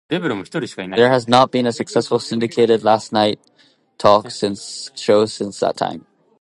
There has not been a successful syndicated late night talk show since that time.